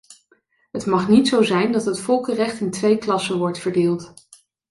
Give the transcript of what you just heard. Het mag niet zo zijn dat het volkenrecht in twee klassen wordt verdeeld.